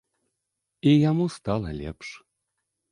І яму стала лепш.